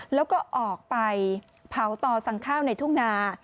แล้วก็ออกไปเผาต่อสั่งข้าวในทุ่งนา